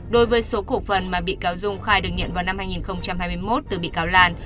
đối với số cổ phần mà bị cáo dung khai được nhận vào năm hai nghìn hai mươi một từ bị cáo lan